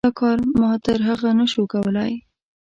دا کار ما تر هغه نه شو کولی.